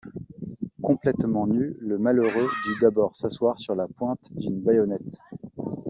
Complètement nu, le malheureux dut d’abord s’asseoir sur la pointe d’une baïonnette.